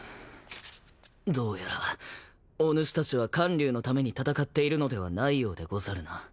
どうやらおぬしたちは観柳のために戦っているのではないようでござるな。